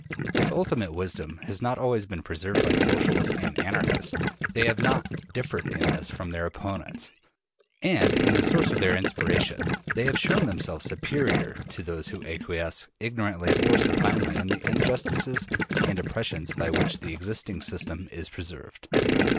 If ultimate wisdom has not always been preserved by Socialists and Anarchists, they have not differed in this from their opponents; and in the source of their inspiration they have shown themselves superior to those who acquiesce ignorantly or supinely in the injustices and oppressions by which the existing system is preserved.